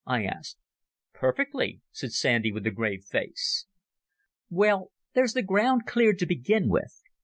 I asked. "Perfectly," said Sandy, with a grave face. "Well, there's the ground cleared to begin with.